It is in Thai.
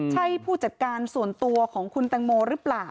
ใช่ผู้จัดการส่วนตัวของคุณแตงโมหรือเปล่า